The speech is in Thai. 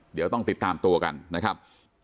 เดี๋ยวต้องติดตามตัวกันนะครับ